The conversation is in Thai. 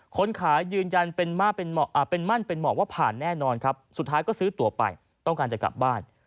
คนขายยืนยันเป็นมั่นเป็นหมอกว่าผ่านแน่นอนครับสุดท้ายก็ซื้อตัวไปต้องการจะกลับบ้าน